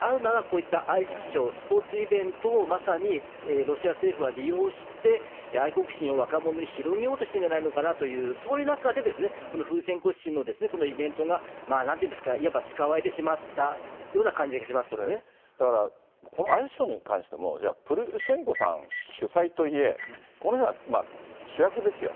あるならこういったアイスショー、スポーツイベントをまさにロシア政府は利用して、愛国心を若者に広げようとしているんじゃないのかなと、そういう中で、このプルシェンコ氏のイベントが、なんと言うんですか、いわば使われてしまったというような感じがだから、このアイスショーに関してもじゃあ、プルシェンコさん主催といえ、この人が主役ですよ。